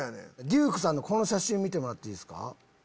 デュークさんのこの写真見てもらっていいですか。